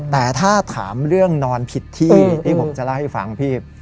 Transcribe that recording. แต่ถ้าถามเรื่องนอนผิดที่ที่ผมจะเล่าให้ฟังพี่